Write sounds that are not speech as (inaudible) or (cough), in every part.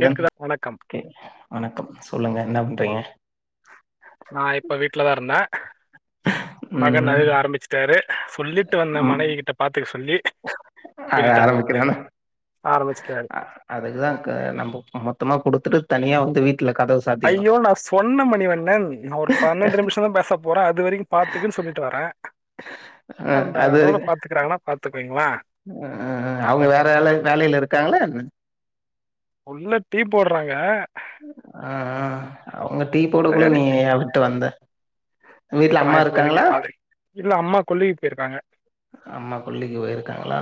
கேட்குதா வணக்கம் வணக்கம் சொல்லுங்க என்ன ரீங்க நா இப்ப வீட்டு்லதா இருந்தெ மகன் ம் அழுக ஆரம்பிச்சிட்டாரு சொல்லிட்டு வந்த மனைவி கிட்ட பாத்துக சொல்லி அழ விட்டுட்டாங்க ஆரம்பிக்கிறானா ஆரம்பிச்சிட்டாரு அதுக்குதா க நம்ப மொத்தமா குடுத்துட்டு தனியா வந்து வீ ஐயோ நா சொன்ன மணிவண்ணன் நா ஒரு பன்னென்டு நிமிஷந்தா பேச போறே அது வரைக்கு பாத்துக்கன் சொல்லிட்டு வரேன் அ அந்த அது அளவுல பாத்துக்கிறாங்கனா பாத்துக் அ அவுங்க வேற வேலை வேலைல இருக்காங்களா என்ன உள்ள டீ போட்றாங்க ஆ ஆ அவுங்க டீ போட்றகுள்ள நீ ஏ விட்டு வந்த வீட்ல இப்ப நா அம்மா இருக்காங்களா (unintelligible) இல்ல அம்மா கொள்ளைக்கு போயிருக்காங்க அம்மா கொல்லிக்கு போயிருக்காங்களா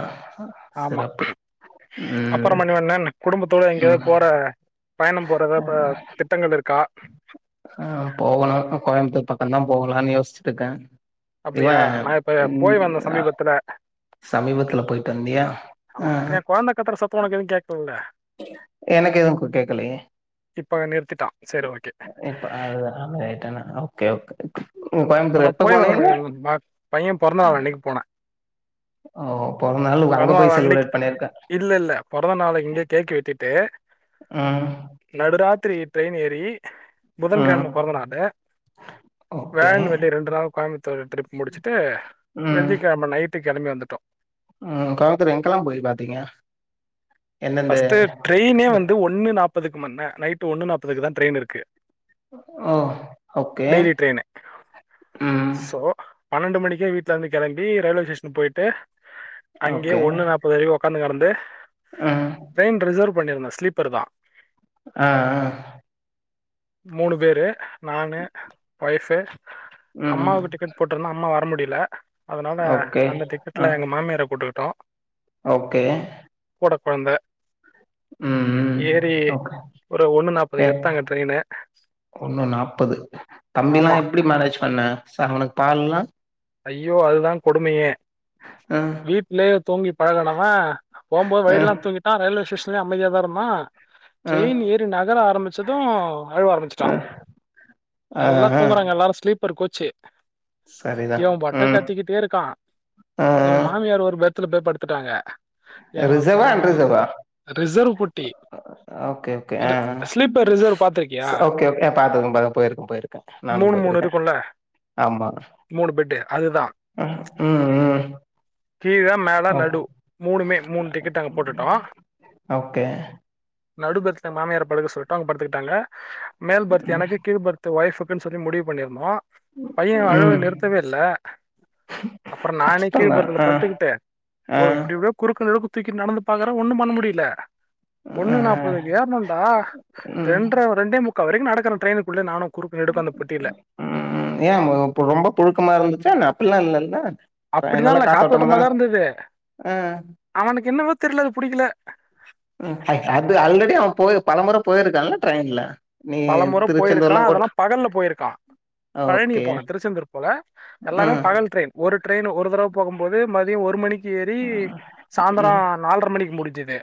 ஆமா சிறப்பு ம் அப்பறம் மணிவண்ணன் குடும்ப த்தோட எங்யாது ம் போற பயணம் போறதா ப திட்டங்கள் இருக்கா பக்கொந்தா போகலான் யோசிச்சுட்டுக்கே அப்டியா நா இப்ப போய் வந்தெ அஹ், சமீபத்துல சமீபத்துல போயிட்டு வந்தியா ஆமா ஆ ஆ எ கொழந்த கத்துற சத்த உனக்கு எதுவு கேக்கலல்ல எனக்கு எதுவு கேக்கலயே இப்ப நிறுத்திட்டான் சரி ஓகே இப்ப அழுத ரைட் என‌ ஓகே ஓகே இப்பனா கோயம்புத்தூர் எப்ப போய் வந்த போனீங்க மனிவண்ணன் ப பைய பொறந்தநாள் அன்னக்கி போனே ஓ பொறந்த நாள் அங்க போய் பொறந்நாள் அன்னக்கி செலிப்ரேட் பண்ணிருக்க இல்லெல்ல பொறந்த நாள இங்கக் கேக்கு வெட்டிட்டு ம் திரி ட்ரெயன் ஏறி ம் புதன்கிழம பொறந்தநாளு ஓகே வியாழன் வெள்ளி ரெண்டு நாள் கோயம்பத்தூர் டிரிப் முடச்சுட்டு ம் வெள்ளிக்கெழம நை ட்டு கெளம்பி வந்துட்டோ ம் கோயம்புத்தூர் எங்கெல்லா போயி பாத்தீங்க எந்தெந்த ஃபஸ்ட்டு ட்ரெயினே இடத் வந்து ஒன்னு நாப் பதுக்குமன்ன நைட்டு ஒன்னு நாப்பதுக்கு தா ட்ரெயின் இருக்கு ஓ ஓக்கே டெய்லி ட்ரெயின் ம் ஸோ பன்னெண்டு மணிக்கே வீட்லருந்து கெளம்பி ரயில்வே ஸ்டேஷன் போயிட்டு அங்கயே ஓகே ஒண்ணு நாப்பது வரைக்கு ஒக்காந்து கெடந்த து ம் ட்ரெயின் ரிசர்வ் பண்ணியிருந்த ஸ்லீப்பருதா அ அ மூணு பேரு நானு ஒய்ஃப்பு ம் அம்மாவுக்கு டிக்கெட் போட்டுருந்தோ அம்மா வர முடில் ல அதனால ஓகே அந்த ஆ டிக்கெட்ல எங்க மாமியார போட்டுக் டோ ஓகே கூட கொழந்த ம்ம் அப்பறோ ஒரு ஒன்று கே நாற்பதுக்கு எடுத்தாங்க ட்ரெயின் ஒன்னு நாப்பது தம்பில்லா ஆமா எப்டி மேனேஜ் பண்ண (unintelligible) பால்லா ஐயோ அதுதா கொடுமையே அ வீட்லயே தூங்கி பழகனவ போம்போது அ வழில்லா தூங்கிட்டா ரயில்வே ஸ்டேஷன் அமதியாதா இருந்தா அ ட்ரெயின் ஏறி நகர ஆரம்பிச்சது அழுவ ஆரம்பிச்சிட்டா அ ஆ நல்லா ஆ தூங்குறாங்க எல்லாரு ஸ்லீப்பர் கோச் செ சரிதா இவ பாட்டுக் ம் கத்திக்கிட்டே இருக்கா ஆ எங்க மாமியார் ஒரு பெத் த்துல போய் படுத்துட்டாங்க என் ரிசர்வா பொண்ணு அண்ரிசர்வா ரிசர்வ் புட்டி ஓகே ஓகே அஅ ஸ்லீப்பர் ரிசர்வ் பார்த்துருக்கியா ஓகே ஓகே பாத்ததும் (unintelligible) போயிருக்க போயிருக்க நானும் மூணு மூணு போயிருக்க இருக்கும்ல ஆமா மூணு பெட்டு அதுதா ம் ம் ம். கீழ மேல ஓ நடு மூ மூணுமே மூண் டிக்கெட் நாங்க போட்டுட்டோ ஓகே நடு பெட்ல மாமியார படுக்க சொல்ட்டோ அவுங்க படுத்துக்கிட்டாங்க மேல் பர்த்து எனக்கு கீழ் பர்த்து ஒய்ஃப்க் அப்டின் சொல்லி முடிவு பண்ணிருந்தோ பைய அழுவ ம் நிறு தவே இல்ல அப்பறோ நானே கீழ் கஷ்டந்தா பர்த்துல ஆ படுத்துக்கிட்டு ஆ ஒரு இப்டிவே குறுக்கு நெருக்கு தூக்கி நடந்து பாக்குற ஒன்னும் பண்ண முடில ஆ ஒன்னு நாப்பதுக்கு ஏற்ணோன்டா ம் தெண்டற ரெண்டே முக் முக்கா வரைக்கு நடக்குற ட்ரெயினுக்குள்ள நானோ (unintelligible) ஏ (unintelligible) ரொம்போ புழுக்கமா இருந்துச்சா என்ன அப்பெல்லா இல்லல்ல ட்ரெயின் நல்லா அப்டிதால்ல காத்தோட்டமா தான காத்தோட்டமாதா இருந்தது ஆ அவனுக்கு என்னவோ தெரில அது புடிக்கல ம் ஏய் அது ஆல்ரெடி அவ போய் பலமுற போயிருக்கான்ல ட்ரெயின்ல நீ பலமுற போயிருக்கா திருச்செந்தூர்லா அதெல்லா கூட்டு பகல்ல போயிருக்கா பழனி ஓகே போன திருச்செந்தூர் போல எல்லாமே ம் பகல் ட்ரெயின் ஒரு ட்ரெயின் ஒரு தடவ போகும்போது மதியோ ஒரு மணிக்கு ஏறி சாந்தரோ ம் நால்ர மணிக்கு முடிஞ் சுது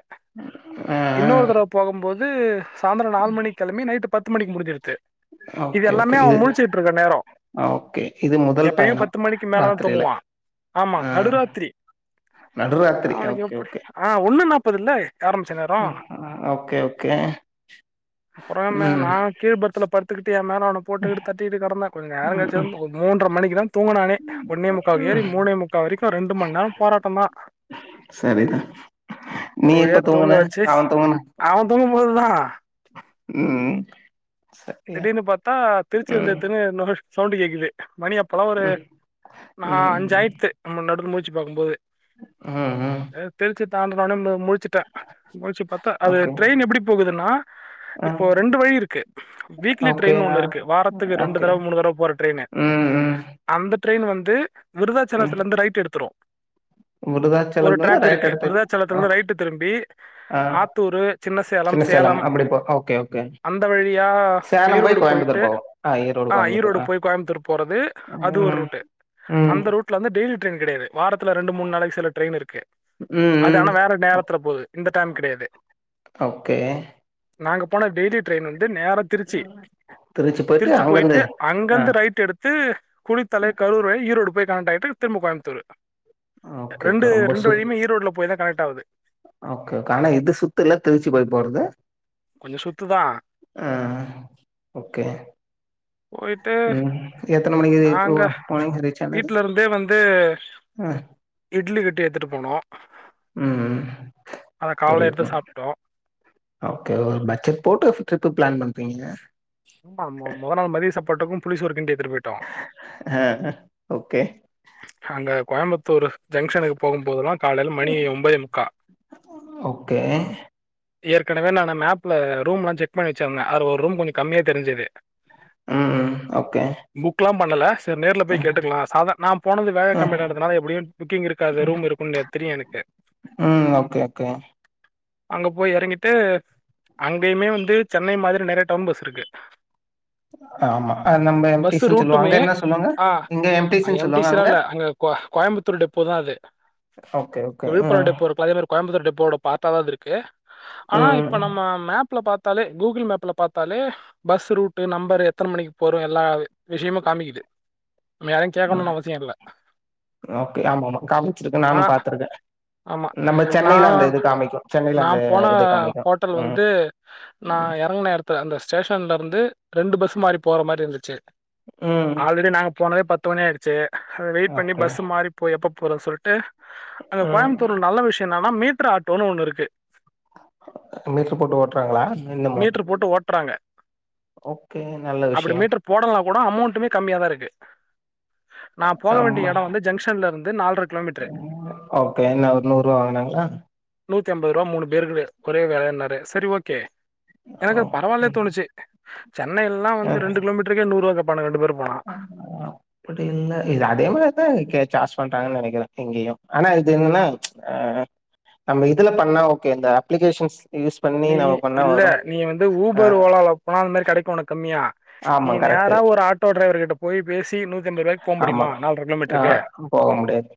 ஆ இன்னொரு தடவ போகம்போது து சாந்தரோ நாலு மணிக்கெழம்பி நைட்டு பத்து மணிக்கு முடுஞ்சுருச்சு ஆ இது ஓகே ஓகே எல்லாமே அவ முழுச்சுட்ருக்க நேரோ ஓகே இது முதல் எப்பயு பயணம் பத்து மணிக்கு மேலதா ராத்திரில தூங்குவா ஆமா ஆ நடுராத்திரி நடுராத்திரி அவனுக்கு எப்படி ஆ ஒண்ணு நாப்பது இல்ல ஆரம்பிச்ச நேரம் ம்க்ம் ஓகே ஓகே ம் நா கீழ் பர்த்துல படுத்துக்கிட் டு மேல அவன போட்டு எடுத் தட்டிட்டு கடந்த கொஞ்ச நேரங் ம் கழுச்சு வந்து ஒரு மூணற மணிக்குதா தூங்குனானே ஒன்னே முக்கா ஏறி ம் மூணே முக்கா வரிக்கு ரெண்டு மண் நேரோ போராட்டந்தா சரிதா நீ ஒரு வழியா எப்ப தூங்க தூங்குன வச்சு அவன் தூங்குனா அவ தூங்கும் போதுமா ம் சரியா திடீர்னு பாத்தா திருச்சி ம் வந்துருத்துன்னு (unintelligible) சவுண்டு கேக்குது மணி அப்பல்லா ஒரு ம் நா ம் அஞ்சாயிரத்து ஆமா நடுவுல (unintelligible) சுத்தி பாக்கும்போது ம் ம் தாண்டுனொனே (unintelligible) முழுச்சுட்டா முழுச்சுப் பாத்தா அது ஓகே ட்ரெயின் எப்படி போகுதுன்னா ஆ இப்போ ரெண்டு வழி இருக்கு லிக்லி ஓகே ட்ரெயின்னு ஆ ஒன்னு இருக்கு வாரத்துக்கு ரெண்டு ஓகே தடவ மூணு தடவ போற ட்ரெயின்னு ம் ம் அந்த ட்ரெயின் வந்து ம் விருதாச்சலத்துல இருந்து ரைட் எடுத்துரு ஒரு விருதாச்சலத்துலருந்து ட்ராக் ரைட் இருக்கு எடுத்து விருதாச்சலத்துல இருந்து ஓகே ரைட் திரும்பி ஆ ஆத்தூரு சின்ன சேலம் சேலம் அப்படி போ ஓகே ஓகே அந்த வழியா சேலம் போய் ஈரோடு போயிட்டு கோயம்புத்தூர் போவோம் ஆ கோயம்புத்தூர் ஈரோடு போய் கோயம்புத்தூர் போறது அது ஒரு ம் ரூட்டு ம் அந்த ரூட்ல இருந்து இப்டியே டெய்லியு ட்ரெயின் கெடையாது வாரத்துல ரெண்டு மூணு நாளாய் சில ட்ரெயின் இருக்கு ம் அது ம் ஆனா வேற ஓக் நேரத்துல போது இந்த டைம் கிடையாது ஓகே நாங்க போன டெய்லி ட்ரெயின் வந்து நேரா திருச்சி திருச்சி போயிட்டு ஆ அங்கந்து ரைட் எடுத்து குளித்தலை கருரை ஈரோடு போய் கரெக்டான டைதுக்கு திரும்ப கோயம்புத்தூரு ஓகே ரெண்டு ஓகே ரொம்ப ரெண்டு சுத் வழியுமே ஈரோடு்ல போய் தா கனெக்ட் (unintelligible) ஓகே ஓகே ஆனா இது சுத்து இல்ல திருச்சு போய் போறது கொஞ்ச சுத்துதான் ஆ ஓகே போயிட்டு ம் எத்தன மணிக்கு இப்போ நாங்க போனீங்க ரீச் ஆனது வீட்ல இருந்தே வந்து ஆ இட்லி கட்டி எடுத்துட்டு போனோம் ம் அத ஒரு காலைல எடுத்து சாப்டோம் ஓகே ஒரு பட்ஜட் போட்டு ட்ரிப்பு பிளான் பண்ணுறீங்க புல்லிசு ஓர்கிங் டே ஆ ஓகே அங்க கோயம்புத்தூரு ஜங்க்ஷனுக்கு போகும்போதெல்லாம் காலையில மணி ஒன்பதே முக்கா ஓகே ஏற்கனவே நா மேப்ல ரூம்லாம் செக் பண்ணி வச்சிருந்தேன் அது ஒரு ரூம் கொஞ்சோ கம்மியா தெரிஞ்சது ம் ம் ஓகே புக்லாம் பண்ணல நேர்ல போய் ம் கேட்டுக்லாம் சாதா நா போனது வேற கம்பெனி கிறத்துனால எப்டியும் புக்கிங் இருக்காது ரூம் இருக்கும்னு தெரியும் எனக்கு ம் ஓகே ஓகே அங்க போய் எறங்கிட்டு அங்கயுமே வந்து சென்னை மாரி நெறைய டவுன் பஸ் இருக்கு. ஆமா நம்ம எம் டி பஸ் சி னு சொல்லுவோம் அங்க என்ன சொல்லுவாங்க இங்க எம் டி சி னு சொல்லு சி லா இல்ல அங்க கோயம்புத்தூர் டிப்போ தா அது ஓகே ஓகே விழுப்புரம் ம் டிப்போ இருக்குல அதே மாரி கோயம்புத்தூர் டிப் போ ஓட பாத் ஆது இருக்கு ஆனா இப்ப ம் நம்ம மேப் ல பாத்தாலே கூகுள் மேப்ல பாத்தாலே பஸ் ரூட் நம்பர் எத்தன மணிக்கு போறோம் எல்லா விஷயமும் காமிக்குது நம்ம யாரையும் கேக்கனும் ம் அவ ஓகே ஆமா ஆமா காமிச்சிருக்கேன் ஆனா நானும் பாத்துருக்கன் ஆமா. நம்ம சென்னையில நான் அந்த இது காமிக்கும் சென்னையில அந்த நான் போன இது காமிக்கும் ஹோட்டல் ம் வந்து ஸ்டேஷன்ல இருந்து ரெண்டு பஸ் மாறி போற மாரி இருந்திச்சு ம் ஆல்ரெடி நாங்க போனதே பத் த்து மணி ஆயிடுச்சு அத வெயிட் பண்ணி ஓகே பஸ்ஸு மாறி போய் எப்பப் போற‌ சொல்ட்டு அங்க ம் கோயம்புத்தூர்ல நல்ல விஷ்யொ என்னன்னா மீ ட்ரு ஆட்டோன்னு ஒன்னு இருக்கு மீட்ரு போட்டு ஓட்றாங்களா இன்னமொ மீட்டர் போட்டு ஓட்டுறாங்க. ஓகே நல்ல அப்படி விஷ்யம் மீட்டர் போடலனா கூட அமௌண்டுமே கம்மியா தா இருக்கு நா போக வேண்டி ஆமா எடொ வந்து ஜங்ஷன்லருந்து நால்ர கிலோமீட்ரு ம். ஓகே என்ன ஒரு நூறு ரூவா வாங்குனாங்களா நூ த்திஅம்பதுருவா மூணு பேருகு ஒரே வெலன்னாரு செரி ஓகே எனக்கு ஓகே பரவால்ல ம். தோணுச்சி சென்னைல்லா வந்து ரெண்டு கிலோமீட்டருக்கே நூறுவா கேப் பானுங் ரெண்டு பேரு ஆ அப்புடி இல்ல இது அதே மாரிதா இக்கே சார்ஜ் பண்றாங்கன் நெனக்கிறே இங்கெயு ஆனா இது என்னன்னா ஆ நம்ம இதுல பண்ணா ஓகே இந்த அப்ளிகேஷன்ஸ் யூஸ் பண்ணி நீ நம்ம பண்ணா இல்ல வரு நீ வந்து ஆ ஊபர் ஓலால போனா அந் மாரி கெடக்கு ஒனக் கம்மியா நீ ஆமா கரெக்ட்டு நேரா ஒரு ஆட்டோ டிரைவர் கிட்டப் போய் பேசி நூ த்தம்பருவாய்க்கு போ ஆமா. முடிமா நால்ர ஆ கிலோமீட்ருக்கு போக முடியாது.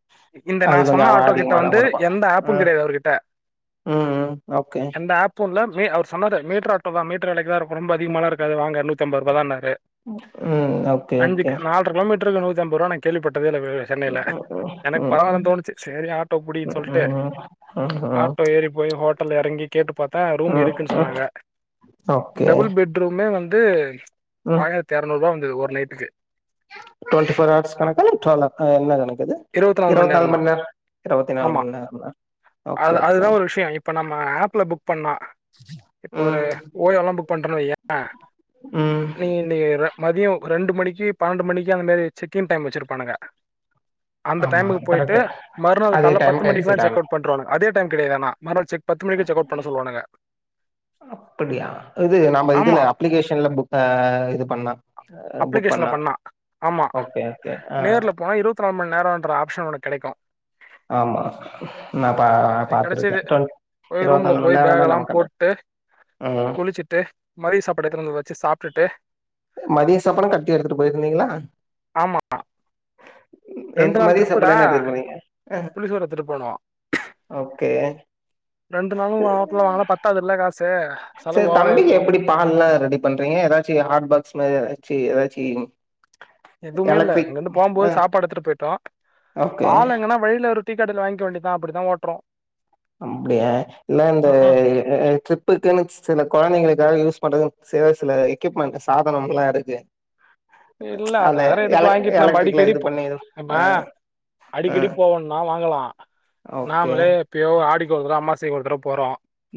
இந்த நா அது கொஞ்சம் சொன்ன அவன் ஆட்டோ கிட்ட அதிகமா தான் வந்து குடுப்பா. எந்த ஆப்பு ம், கெடையாது அவர்கிட்ட ம், ம். ஓகே. எந்த ஆப் (unintelligible) அவர் சொன்னாரு மீட்ரு ஆட்டோதா மீட்ரு வெலக்கி தா இருக்கு ரொம்ப அதிகமால்லா இருக்காது வாங்க நூத் தம்பருபாதான்னாரு ம், ஓகே, ஓகே. அஞ்சுக்கு நால்ர கிலோமீட் ட்ருல நூத்தி அம்பர்வா நா கேள்விபட் டதே இல்லப சென்னைல ம், ம், எனக் ம், பரவால்லன் தோணுச்சு செரி ஆட்டோ புடீன் ம், சொல்ட்டு ம், ம், ஆட்டோ ஏறி போய் ஹோட்டல்ல எறங்கி கேட்டு பாத் த ரூம் ம். இருக்குன் சொன்னாங்க ஓகே. டபுள் பெட் ரூமே வந்து ஆயிரத்தி எரநூறுவா வந்தது ஒ ரு நைட்டுக்கு டொன்டிஃபோர் ஹவர்ஸ் கணக்கா இல்ல ட்வல் ஆ என்ன கணக்கிது இருவத் நாலு மண் நேர் இருவத்தி நாலு ஆமா. மணி நேரங்களா அது ஓகே ஓகே அதுதான் ஒரு விஷயம். இப்ப நம்ம ஆப்ல புக் பண்ணா இப்போ ஒரு ம், ஓயோல்லா புக் பண்றனு வையே ம். நீ நீ ர மதியொ ரெண்டு மணிக்கி பன்னண்டு மணிக்கி அந்த மாரி செக்கின் டைம் வச்சுருப்பானுங்க அந்த ஆமா டைமுகு போயிட்டு கரெக்ட்டு. மறுநாள் அதே கால்ல பத்து டைம்க்கு மணிக்குல்லா எக்ஸிட் செக் ஆகணும். அவுட் பண்றுவானுங் அதே டைம் கெடயாதானா மற செக் பத்து மணிக்கி செக்கோட் அப்பிடியா இது நாம்ம ஆமா, இதுல அப்ளிகேஷன்ல புக் அ இது பண்ணா அப்ளிகேஷன்ல பண்ணா ஆமா ஓகே ஓகே ஆ நேர்ல போனா இருவத்தி நால் மண் நேரொன்ற ஆப்ஷன் ஒனக்கெடைக்கு ஆமா நான் பா (unintelligible) கெடச்சது பாத்துருக்கேன் டுவென் போய் இருபத்தி ரூம்ல நாலு மணி போய் நேரம் பேக் தான் எல்லாம் நமக்கு அந்த போட்டு ம் குளிச்சுட்டு மதிய சாப்பாடு எடுத்துன்னு வந்தத வச்சு சாப்ட்டுட்டு மதிய சாப்பாடு கட்டி எடுத்துட்டு போயிருந்தீங்ளா? ரெண்டு நாள் ட்ரிப்புடா போனீங்க ஆ புளி சோறு எத்துட்டு போனோ ஓகே ரெண்டு நாளு‌ ஹோட்டல்ல வாங்குனா பத்தாதுல்ல கா சேர் தம்பிக்கு எப்பிடி பால்ல ரெடி பண்றீங்க எதாச்சு ஹாட் பாக்ஸ் மார் எதா ச்சி எதாச்சி எதுவ்மே இல்ல அங்கந்து போம்போது சாப்பாடு எத்துட்டு போயிட்டோ ஓகே பால் எங்கனா வழில ஒரு டீக்கடைல வாங்கிக்க வேண்டி தா அப்புடிதா ஓட்றோ அப்டியா இல்ல இந்த ட்ரிப்பு க்குனு சில கொழந்தைங்களுக்காக யூஸ் பண்றதுன் சில சில எக்யூப்மெண்ட் சாதனம்லா இருக்கு இல்ல அத அந்த வேற எதுக்கு எலக் வாங்கிட்டு நம்ப எலக்ட்ரிக்ல அடிக்கடி இது போ பண்ணி இது நம்ம ஆ ஆ அடிக்கடி போவோன்னா வாங்கலா ஓகே. நாமளே எப்பயோ ஆடிக் கு ஒரு தட அம்மாசைக்கு ஒரு தடவ் போறோ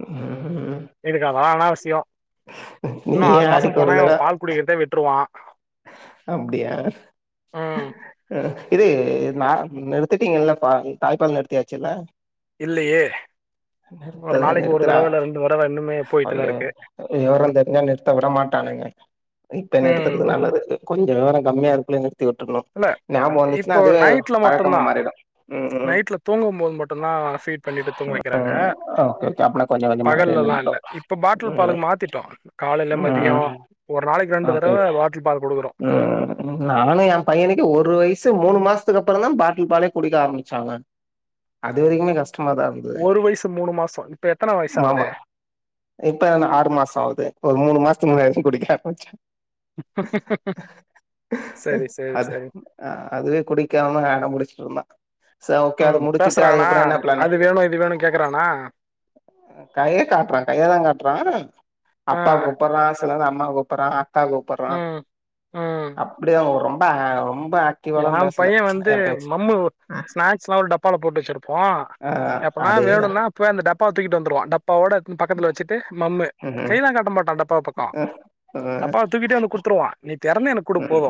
ம். எதுக்கு அதல்லா அனாவசியொ இன்னு நீயே ஆறு மாசம் ஆடிக்கு ஒரு போனா இவ தடவ பால் குடிக்கிறதே விட்ருவா அப்டியா ம் ஆ இது நா நிறுத்திட்டீங்கள்ள பால் தாய்ப்பால் நிறுத்தியாச்சிள்ள இல்லையே ஒரு நிறுத்தல நாளைக்கு ஒரு நிறுத்துறா தடவ இல்ல ரெண்டு தடவ இன்னுமே போயிட்டுதா ஐய இருக்கு வெவரந் தெருஞ்சா நிறுத்த விட மாட்டானுங்க இப்ப ம் நிறுத்துறது நல்லதுக்கு கொஞ்ச வெவரொ கம்மியா இருக்கலெ நிற் இல்ல இப்போ நைட்ல பழக்கமா மட்டுந்தா மாறிடும். ம் ம் நைட்ல தூங்கும்போது மட்டுந்தா ஃபீட் பண்ணிட்டு தூங்க வக்கிறாங்க ம். Okay okay. அப்பனா கொஞ்ச கொஞ்சமா அப்டியே பகல்லெல்லா இல்ல நின்னுடும். இப்ப பாட்டில் ம் பாலுக்கு மாத்திட்டோ காலைல மதியொ ம். ஒரு நாளைக்கு ரெண்டு ஓகே. தடவ பாட்டில் பால் குடுக்குறோ ம் நானு எ பையனு க்கு ஒரு வயசு மூணு மாசத்துக்கு அப்பறந்தா பாட்டில் பாலே குடிக்க ஆரமிச்சாங்க அது வரைக்குமே கஷ் டமாதா இருந்தது ஒரு வயசு மூணு மாசோ இப்ப எத்தன வயசு ஆவுது மாமா இப்ப ந ஆறு மாசொ ஆவ்து இப்ப ஒரு மூணு மாச சும்மா ஆச்சும் குடிக்கிறா (unintelligible) சரி சரி அது சரி அ அதுவே குடிக்காம அடம்புடுச்சுட்ருந்தா சொ ஓகே அது ம் முடுச்சுட்டு பேசுறானா அதுக்கப்றொ என்ன ப்ளானு அது வேணு இது வேணு கேக்குறானா கைய காட்றா கையதா காட்றா ஆ அப்பா கூப்பட்றா சில நேரொ அம்மா கூப்புர்றா தா கூப்பர்றா ம் ம் ஓ ரொம்ப‌ அ ரொம் ஏ பைய வந்து மம்மு ஸ்நாக்ஸ்லா ஒரு டப்பால போட்டு வச்சிருப்போ ஆ எப்பனா அதேதா வேணுன்னா போய் அந்த டப் பா தூக்கிட்டு வந்துருவா டப் பவுடாக்குன் பக்கத்துல வச்சிட்டு மம்மு ம் கைலா காட்ட மாட்டான் டப் போ பக்கோ ம் ம் நப்பாவ தூக்கிட்டே வந்து குடுத்துருவா நித் திறமை எனக்குடு போது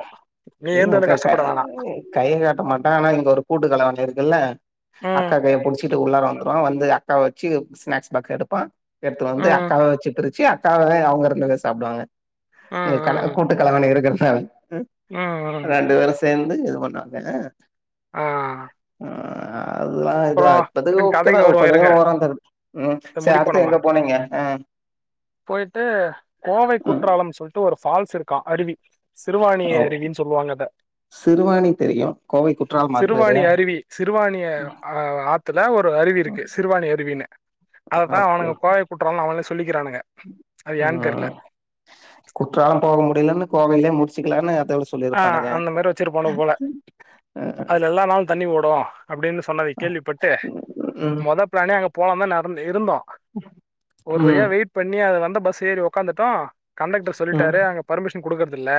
நீ ஏந்தடா கஷ் கையி கை காட்ட மாட்டா அனா இங்க ஒரு கூட்டு கலவாணி இருக்குல்ல ம் அக்கா கைய புடிச்சிட்டு உள்ளார வந்துருவா வந்து அக்கா வெச்சு ஸ்நாக்ஸ் பாக்கு எடுப்பா எடுத்து வந்து ம் அக்காவ வெச்சு பிரிச்சு அக் அக்கவே அவுங்க இருந்தவே சாப்புடுவாங்க இங்க ம் கல ம் கூட்டுக்கலவாணி இருக்குறது (unintelligible) ம் ம் ம் ரெண்டு வேரு சேந் என்னுங்க பண்ணாங்க ஆ ஆ அதுல்லா இதா அப்றோ இப்பது இருங் ஓகே தா கதைக்கு வருவோ கொஞ்ச இருங்க ஓர தருது உம் இத சேர் முடிப்போ அடுத்து நம்ம எங்க போனீங்க ஆ போயிட்டு கோவை உம் குற்றாலம் சொல்ட்டு ஒரு ஃபால்ஸ் இருக்கா அருவி சிறுவாணிய அருவின் சொல்லுவாங்க அத சிறுவாணி தெரியு கோவை குற்றாலம் அது பேரு சிறுவாணி அருவி சிறுவாணிய பாத்துப் ல்ல ஒரு அருவி இருக்கு சிறுவாணி அருவினு அதுதா அவனுங்க கோவை குற்றால அவனே சொல்லிக்கிறானுங்க அது ஏன்னு தெர்ல உம் குற்றாலம் போக முடியலனு கோவையிலயே முடிச்சிக்கலான்னு ஆ அந்த மாரி வச்சிருப்பானுவ போல அதுல எல்லா நாலு தண்ணி ஓ போ அப்பிடின் சொன்னது கேள்விப்பட்டு ம் மொதல் ப்ளேனே அங்கப் போவாம நடந்து இருந்தோ ஒரு வழியா ம் வெயிட் பண்ணி அது வந்தப் பஸ் ஏறி ஒக்காந்துட்டா கண்டக்டர் ம் சொல்லிட்டாரு அங்க பர்மிஷன் குடுக்குறதுல்ல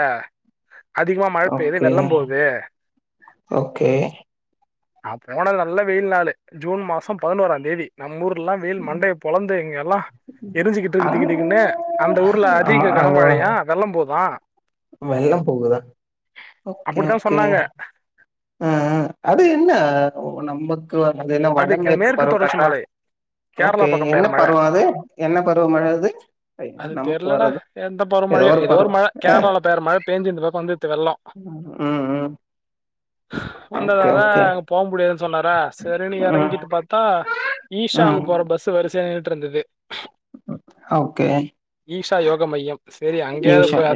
அதிகமா மழ் பெய்யுது ஓகே வெள்ளம் போதே ஓகே நா போனது நல்ல வெயில் நாளு ஜூன் மாசம் பதினொரா தேதி நம்ம ஊர்த் இங்குள வெயில் மண்டைய பொழந்து இங்க எல்லா எரிஞ்சுகிட்டு அங்க திகுதிகுனு அந்த ஊர்ல ஆமா அதிக அங்க கனமழையா வெள்ள போதா வெள்ளம் போகுதா ஓகே அப்டித்தா ஓகே சொன்னாங்க அ அது என்ன ஓ நம்பத் (unintelligible) வட அதுக்கு மேற்கு பருவ தொடர்ச்சி காற்றா மலை ஓகே கேரளா பக்கம் என்ன பெய்ற மழ பருவோ அது என்ன பருவமழ அது அது நமக்கு தெர்லடா வரதா எந்த ஏதோ ஒரு பருவ் அ பேயிஞ்சு இந்து பக்கோ வந்தது அ ஆ வந்ததாதா அங்க போ முடியாதுன்னு சொன்னாரா ம் இறங்கிட்டு பார்த்தா ம் ஈஷாவுக்கு போற பஸ் வரிசைய நின்ட்டு வந்தது ஓகே ஈஷா யோக மையம் சரி அங்கேயாவது யூஷா போய்